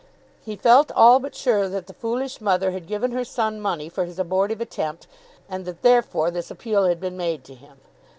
He felt all but sure that the foolish mother had given her son money for his abortive attempt, and that therefore this appeal had been made to him.